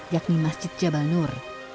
yakni masjid jabal nur